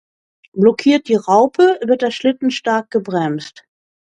Blockiert die Raupe, wird der Schlitten stark gebremst.